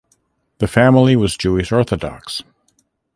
The family was Jewish Orthodox.